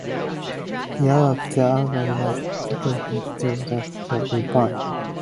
In Europe, the album was released by Epitaph Europe, and has remained in print.